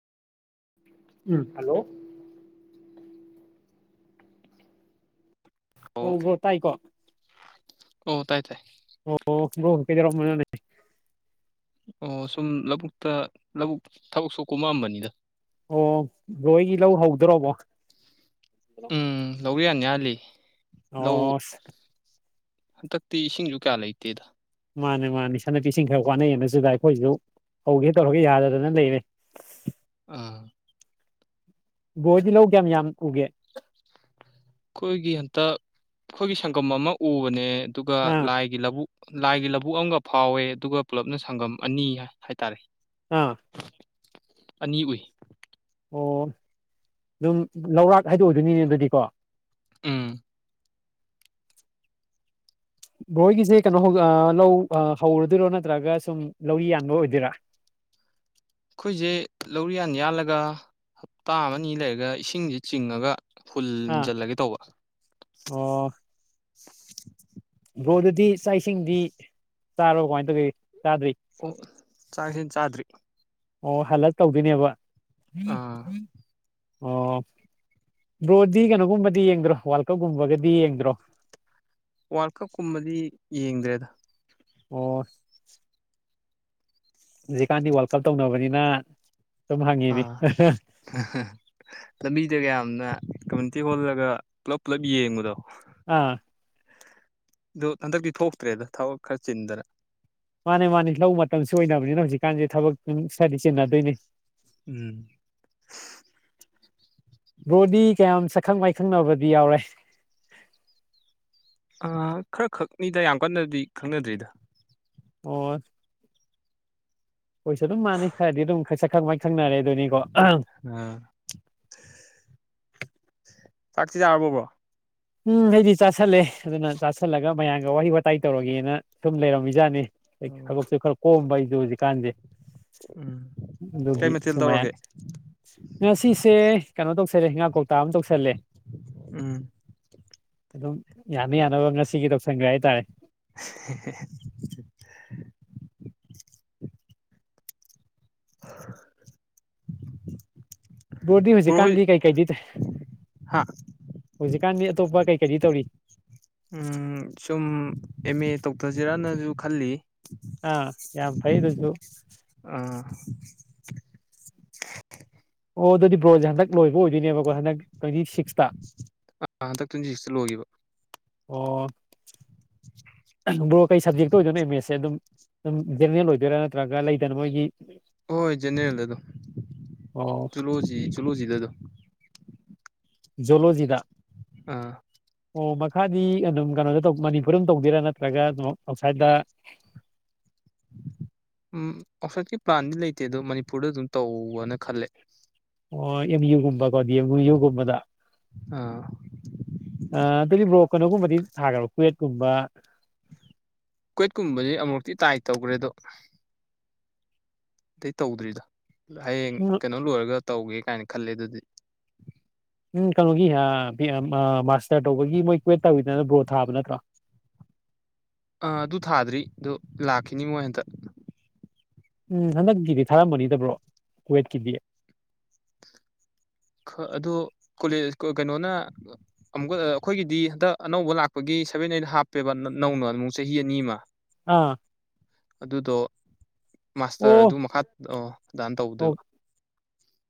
ꯎꯝ hello ꯑꯣ ꯣ ꯇꯥꯏꯀꯣ ꯑꯣ ꯇꯥꯏ ꯇꯥꯏ ꯑꯣ ꯀꯦꯗꯔꯣꯃꯅꯤ ꯑꯣ ꯁꯨꯝ ꯂꯧꯕꯨꯛꯇ ꯂꯧꯕꯛ ꯊꯕꯛꯁꯨ ꯀꯣꯃꯑꯝꯕꯅꯤꯗ ꯑꯣ ꯂꯣꯏꯒꯤ ꯂꯧ ꯍꯧꯗ꯭ꯔꯣꯕꯣ ꯎꯝ ꯂꯧꯕ ꯌꯥꯅꯤꯍꯜꯂꯤ ꯑꯣ ꯍꯟꯗꯛꯇꯤ ꯏꯁꯤꯡꯁꯨ ꯀꯌꯥ ꯂꯩꯇꯦꯗ ꯃꯥꯅꯦ ꯃꯥꯅꯦ ꯏꯁꯅꯨꯄꯤꯁꯤꯡ ꯈꯔ ꯋꯥꯅꯩꯑꯅ ꯁꯤꯗ ꯑꯩꯈꯣꯏꯁꯨ ꯍꯧꯒꯦ ꯇꯧꯔꯒꯦ ꯌꯥꯗꯗꯅ ꯂꯩꯔꯦ ꯑꯥ ꯕꯣꯏꯗꯤ ꯂꯧꯒꯦ ꯌꯥꯝ ꯌꯥꯝ ꯎꯒꯦ ꯑꯩꯈꯣꯏꯒꯤ ꯍꯟꯇ ꯑꯩꯈꯣꯏꯒꯤ ꯁꯪꯒꯝ ꯑꯃ ꯎꯕꯅꯦ ꯑꯗꯨꯒ ꯑꯥ ꯂꯥꯏꯒꯤ ꯂꯧꯕꯨꯛ ꯂꯥꯏꯒꯤ ꯂꯧꯕꯨꯛ ꯑꯃꯒ ꯐꯥꯎꯋꯦ ꯑꯗꯨꯒ ꯄꯨꯂꯞꯅ ꯁꯪꯒꯝ ꯑꯅꯤ ꯍꯥꯏꯇꯥꯔꯦ ꯑꯥ ꯑꯅꯤ ꯎꯏ ꯑꯣ ꯑꯗꯨꯝ ꯂꯧꯔꯥꯛ ꯍꯥꯏꯗꯣꯛꯑꯣꯏꯗꯣꯏꯅꯤꯅꯦ ꯑꯗꯨꯗꯤꯀꯣ ꯎꯝ ꯕꯣꯏꯒꯤꯁꯦ ꯀꯩꯅꯣ ꯍꯧ ꯂꯧ ꯍꯧꯔꯨꯗꯣꯏꯔꯣ ꯅꯠꯇ꯭ꯔꯒ ꯁꯨꯝ ꯂꯧ ꯌꯥꯟꯕ ꯑꯣꯏꯗꯣꯏꯔꯥ [unintelligible] ꯑꯩꯈꯣꯏꯁꯦ ꯂꯧꯔꯤꯌꯥꯟ ꯌꯥꯜꯂꯒ ꯍꯞꯇꯥ ꯑꯃꯅꯤ ꯂꯩꯔꯒ ꯏꯁꯤꯡꯁꯦ ꯆꯤꯡꯉꯒ ꯑꯥ ꯍꯨꯜꯖꯤꯜꯂꯒꯦ ꯇꯧꯕ ꯑꯣ ꯕ꯭ꯔꯣꯗꯨꯗꯤ ꯆꯥꯛ ꯏꯁꯤꯡꯗꯤ ꯆꯥꯔꯣ ꯀꯃꯥꯏꯅ ꯇꯧꯒꯦ ꯆꯥꯗ꯭ꯔꯤ ꯑꯣ ꯆꯥꯁꯤ ꯆꯥꯗ꯭ꯔꯤ ꯑꯣ ꯍꯜꯂꯛ ꯇꯧꯗꯣꯏꯅꯦꯕ ꯑꯥ ꯑꯣ ꯕ꯭ꯔꯣꯗꯤ ꯀꯩꯅꯣꯒꯨꯝꯕꯗꯤ ꯌꯦꯡꯗ꯭ꯔꯣ ꯋꯥꯔꯜ ꯀꯞꯀꯨꯝꯕꯒꯗꯤ ꯌꯦꯡꯗ꯭ꯔꯣ ꯋꯥꯔꯜ ꯀꯞꯀꯨꯝꯕꯗꯤ ꯌꯦꯡꯗ꯭ꯔꯦꯗ ꯑꯣ ꯖꯤꯀꯥꯟꯗꯤ ꯋꯥꯔꯜ ꯀꯞ ꯇꯧꯅꯕꯅꯤꯅ ꯁꯨꯝ ꯍꯪꯉꯤꯅꯤ ꯑꯥ ꯂꯝꯕꯤꯗ ꯌꯥꯝꯌꯥꯝꯅ ꯀꯝꯃꯨꯅꯤꯇꯤ ꯍꯣꯜꯂꯒ ꯄꯨꯂꯞ ꯄꯨꯂꯞ ꯌꯦꯡꯕꯗꯣ ꯑꯥ ꯑꯗꯨꯣ ꯍꯟꯗꯛꯇꯤ ꯊꯣꯛꯇ꯭ꯔꯦꯗ ꯊꯕꯛ ꯈꯔ ꯆꯤꯟꯗꯅ ꯃꯥꯅꯦ ꯃꯥꯅꯤ ꯂꯧ ꯃꯇꯝꯁꯨ ꯑꯣꯏꯅꯕꯅꯤꯅ ꯍꯧꯖꯤꯛꯀꯥꯟꯁꯦ ꯊꯕꯛꯇ ꯁꯏꯗꯤ ꯆꯦꯟꯅꯗꯣꯏꯅꯤ ꯎꯝ ꯏꯈꯪ ꯃꯥꯏꯈꯪꯅꯕꯗꯤ ꯌꯥꯎꯔꯦ ꯈꯔ ꯈꯛꯅꯤꯗ ꯌꯥꯝ ꯀꯟꯅꯗꯤ ꯈꯪꯅꯗ꯭ꯔꯤꯗ ꯍ ꯍꯣꯏꯁꯨ ꯑꯗꯨꯝ ꯃꯥꯟꯅꯩ ꯈꯔꯗꯤ ꯑꯗꯨꯝ ꯁꯛꯈꯪ ꯃꯥꯏ ꯈꯪꯅꯔꯦ ꯑꯗꯨꯣꯏꯅꯤꯀꯣ ꯑ [unintelligible] ꯆꯥꯛꯁꯤꯗꯔꯔꯕꯕꯣ ꯎꯝ ꯑꯩꯗꯤ ꯆꯥꯥꯁꯜꯂꯦ ꯑꯗꯨꯅ ꯆꯥꯥꯁꯜꯂꯒ ꯃꯌꯥꯝꯒ ꯋꯥꯍꯩ ꯋꯥꯇꯥꯏ ꯇꯧꯔꯒꯦꯅ ꯁꯨꯝ ꯂꯩꯔꯝꯃꯤꯖꯥꯠꯅꯤ ꯕꯛꯁꯨ ꯈꯔ ꯀꯣꯝꯕ ꯑꯩꯗ ꯍꯧꯖꯤꯛ ꯀꯥꯟꯖꯦ ꯎꯝ ꯀꯩ ꯃꯊꯦꯜ ꯇꯧꯔꯒꯦ ꯉ ꯁꯤꯁꯦ ꯀꯩꯅꯣ ꯇꯧꯁꯜꯂꯦ ꯍꯤꯒꯥꯥꯛ ꯀꯧꯇꯥ ꯑꯃ ꯇꯧꯁꯜꯂꯦ ꯎꯝ ꯑꯗꯨꯝ ꯌꯥꯅ ꯌꯥꯅꯕ ꯉꯁꯤꯒꯤ ꯇꯧꯁꯟꯈ꯭ꯔꯦ ꯍꯥꯏꯇꯥꯔꯦ [unintelligible] [unintelligible] ꯕꯣꯔꯗꯤ ꯕ꯭ꯔꯣ ꯍꯣꯏ ꯍꯧꯖꯤꯛꯀꯥꯟꯗꯤ ꯀꯩꯀꯩꯗꯤ ꯇꯦ ꯍꯥ ꯍꯧꯖꯤꯛ ꯀꯥꯟꯗꯤ ꯑꯇꯣꯞꯄ ꯀꯩ ꯀꯔꯤ ꯇꯧꯔꯤ ꯎꯝ ꯁꯨꯝ ꯑꯦꯝ ꯑꯦ ꯇꯧꯊꯁꯤꯔꯅꯁꯨ ꯈꯜꯂꯤ ꯑꯥ ꯌꯥꯝ ꯐꯩ ꯑꯗꯨꯁꯨ ꯑꯥ ꯑꯣ ꯑꯗꯨꯗꯤ ꯕꯣꯖ ꯍꯟꯇꯛ ꯂꯣꯏꯕ ꯑꯣꯏꯗꯣꯏꯅꯦꯕꯣ ꯍꯟꯗꯛ ꯇ꯭ꯋꯦꯟꯇꯤ ꯁꯤꯛꯁ ꯍꯟꯗꯛ ꯇ꯭ꯋꯦꯟꯇꯤ ꯁꯤꯛꯁꯇ ꯂꯣꯏꯈꯤꯕ ꯑꯣ ꯕ꯭ꯔꯣ ꯀꯩ ꯁꯞꯖꯦꯛꯇ ꯑꯣꯏꯗꯣꯏꯅꯣ ꯑꯦꯝ ꯑꯦꯁꯁꯦ ꯑꯗꯨꯝ ꯑꯗꯨꯝ ꯖꯦꯅꯔꯦꯜ ꯑꯣꯏꯗꯣꯏꯔꯥ ꯅꯠꯇ꯭ꯔꯒ ꯂꯩꯗꯅ ꯃꯣꯏꯒꯤ ꯍꯣꯏ ꯖꯦꯅꯦꯔꯦꯜꯗꯣ ꯑꯣ ꯆꯂꯣꯖꯤ ꯆꯨꯂꯣꯖꯤꯗꯗꯣ ꯂꯣꯖꯤꯗꯥ ꯑꯥ ꯑꯣ ꯃꯈꯥꯗꯤ ꯑꯗꯨꯝ ꯀꯩꯅꯣꯗ ꯃꯅꯤꯄꯨꯔ ꯑꯃ ꯇꯧꯕꯗꯦꯔꯥ ꯅꯠꯇ꯭ꯔꯒ ꯑꯥꯎꯠꯁꯥꯏꯗꯠꯇ [unintelligible] ꯎꯝ ꯑꯣꯐꯠꯀꯤ ꯄ꯭ꯂꯥꯟꯗꯤ ꯂꯩꯇꯦ ꯑꯗꯣ ꯃꯅꯤꯄꯨꯔꯗ ꯑꯗꯨꯝ ꯇꯧꯅ ꯈꯜꯂꯦ ꯑꯣ ꯑꯦꯝ ꯌꯨꯒꯨꯝꯕ ꯗꯤ ꯌꯨꯒꯨꯝꯕꯗ ꯑꯥ ꯑ ꯑꯗꯨꯗꯤ ꯕ꯭ꯔꯣ ꯀꯩꯅꯣꯒꯨꯝꯕꯗꯤ ꯊꯥꯈ꯭ꯔꯕ ꯀꯋꯦꯠꯀꯨꯝꯕ ꯀꯣꯏꯠꯀꯨꯝꯕꯁ ꯑꯃꯨꯛꯇꯤ ꯇꯥꯏ ꯇꯧꯈ꯭ꯔꯦꯗꯣ ꯑꯇꯩ ꯇꯧꯗ꯭ꯔꯤꯗꯣ ꯍꯌꯦꯡ ꯀꯩꯅꯣ ꯂꯣꯏꯔꯒ ꯇꯧꯒꯦ ꯀꯥꯏꯅ ꯈꯜꯂꯦ ꯑꯗꯨꯗꯤ ꯎꯝ ꯀꯩꯅꯣꯒꯤ ꯃꯥꯁꯇꯔ ꯇꯧꯕꯒꯤ ꯃꯣꯏ ꯀ꯭ꯋꯦꯠ ꯇꯧꯋꯤꯗꯅ ꯕ꯭ꯔꯣ ꯊꯥꯕ ꯅꯠꯇ꯭ꯔꯣ [unintelligible] ꯑꯥ ꯑꯗꯨ ꯊꯥꯗ꯭ꯔꯤ ꯑꯣ ꯂꯥꯛꯈꯤꯅꯤ ꯃꯣꯏ ꯍꯟꯇ ꯎꯝ ꯍꯟꯗꯛꯀꯤꯗꯤ ꯊꯥꯔꯝꯕꯅꯤꯗꯕ꯭ꯔꯣ ꯀꯋꯦꯠꯀꯤꯗꯤ ꯑꯗꯨ ꯀꯣꯂꯦ ꯀꯩꯅꯣꯅ ꯑꯃꯨꯛꯀ ꯑꯩꯈꯣꯏꯒꯤꯗꯤ ꯍꯟꯗꯛ ꯑꯅꯧꯕ ꯂꯥꯛꯄꯒꯤ ꯑꯩ ꯁꯚꯦꯟ ꯑꯠ ꯍꯥꯞꯄꯦꯕ ꯅꯧꯅꯣ ꯑꯃꯨꯛ ꯆꯍꯤ ꯑꯅꯤ ꯑꯃ ꯑꯥ ꯑꯗꯨꯗꯣ ꯃꯥꯁꯇꯔ ꯑꯣ ꯑꯗꯨ ꯃꯈꯥ ꯗꯥꯟ ꯑꯣ ꯇꯧꯗꯣꯏꯕ